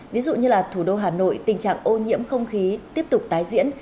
ví dụ như là thủ đô hà nội tình trạng ô nhiễm không khí tiếp tục tái diễn